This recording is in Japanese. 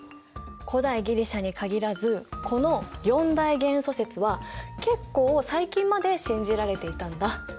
古代ギリシャに限らずこの四大元素説は結構最近まで信じられていたんだ。